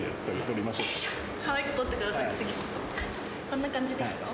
こんな感じですか？